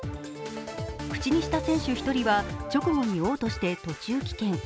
口にした選手１人は直後におう吐して途中棄権。